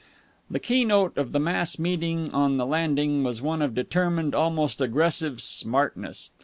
The keynote of the mass meeting on the landing was one of determined, almost aggressive smartness.